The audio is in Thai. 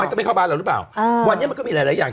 ก็ไม่เข้าบ้านเราหรือเปล่าวันนี้มันก็มีหลายหลายอย่าง